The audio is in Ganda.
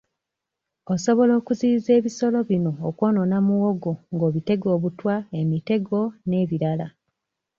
Osobola okuziyiza ebisolo bino okwonoona muwogo ng'obitega obutwa, emitego n'ebirala.